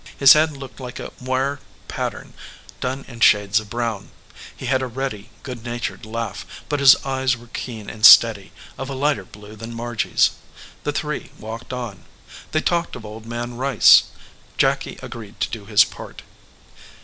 His head looked like a moire pattern done in shades of brown. He had a ready, good natured laugh, but his eyes were keen and steady, of a lighter blue than Margy s. The three walked on. They talked of Old Man Rice. Jacky agreed to do his part.